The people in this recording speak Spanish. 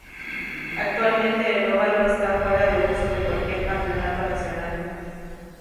Actualmente el ovalo está fuera de uso de cualquier campeonato nacional.